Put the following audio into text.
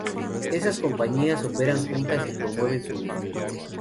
Esas compañías operan juntas y promueven su uso.